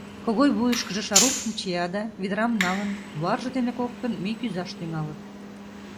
Когой вуйышкыжо шарупшым чия да, ведрам налын, туларже дене коктын мӱй кӱзаш тӱҥалыт.